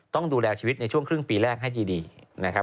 ต้องดูแลชีวิตในช่วงครึ่งปีแรกให้ดีนะครับ